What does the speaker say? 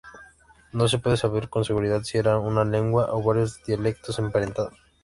No se puede saber con seguridad si era una lengua o varios dialectos emparentados.